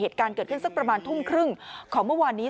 เหตุการณ์เกิดขึ้นสักประมาณทุ่มครึ่งของเมื่อวานนี้